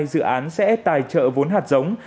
dự án sẽ tài trợ vốn hạt giống